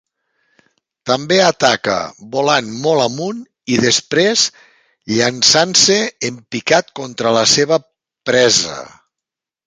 També ataca volant molt amunt i després llançant-se en picat contra la seva presa.